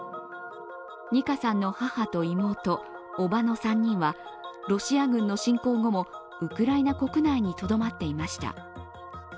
虹夏さんの母と妹、おばの３人はロシア軍の侵攻後もウクライナ国内にとどまっていました。